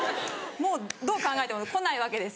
もうどう考えても来ないわけですよ。